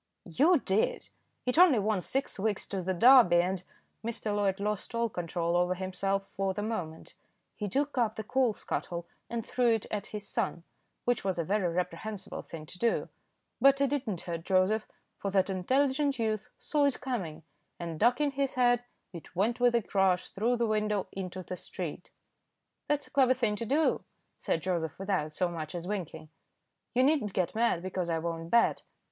"You did. It only wants six weeks to the Derby, and " Mr. Loyd lost all control over himself for the moment. He took up the coal scuttle and threw it at his son, which was a very reprehensible thing to do; but it did not hurt Joseph, for that intelligent youth saw it coming, and ducking his head, it went with a crash through the window into the street. "That's a clever thing to do," said Joseph, without so much as winking. "You need not get mad because I won't bet."